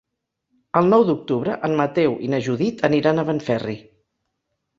El nou d'octubre en Mateu i na Judit aniran a Benferri.